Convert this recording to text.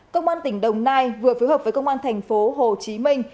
công an tỉnh đồng nai vừa phối hợp với công an thành phố hồ chí minh